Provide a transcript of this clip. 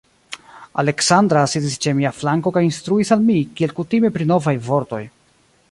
Aleksandra sidis ĉe mia flanko kaj instruis al mi kiel kutime pri novaj vortoj.